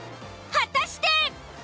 果たして。